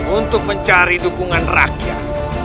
untuk mencari dukungan rakyat